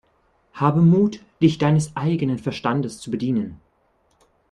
Habe Mut, dich deines eigenen Verstandes zu bedienen!